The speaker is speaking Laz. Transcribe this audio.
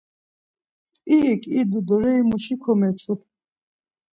İrik idu do reimuşi komeçu.